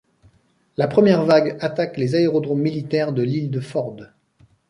La première vague attaque les aérodromes militaires de l'Île de Ford.